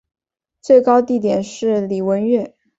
最高地点是礼文岳。